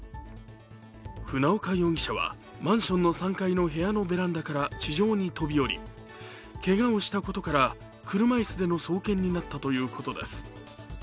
船岡容疑者はマンションの３階の部屋のベランダから地上に飛び降りけがをしたことから車椅子での送検になったということです。